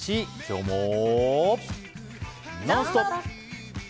「ノンストップ！」。